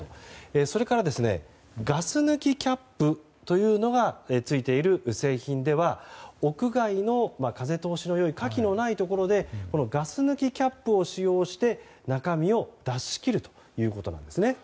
それからガス抜きキャップというのがついている製品では屋外の風通しの良い火気のないところでガス抜きキャップを使用して中身を出し切るということです。